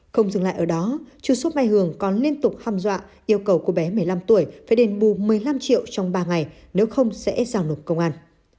không dừng lại ở đó chu súp mai hường còn liên tục hăm dọa yêu cầu cô bé một mươi năm tuổi phải đền bù một mươi năm triệu trong ba ngày nếu không sẽ giao nộp công an